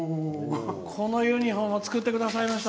このユニフォームを作ってくださいました。